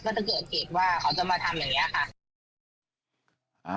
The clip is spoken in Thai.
จะเกิดเหตุว่าเขาจะมาทำอย่างนี้ค่ะ